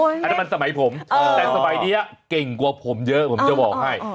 อันนั้นมันสมัยผมแต่สมัยนี้เก่งกว่าผมเยอะผมจะบอกให้